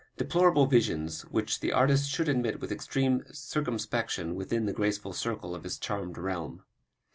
... Deplorable visions which the artist should admit with extreme circumspection within the graceful circle of his charmed realm."